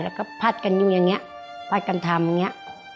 แล้วก็พัดกันอยู่อย่างนี้พัดกันทำอย่างนี้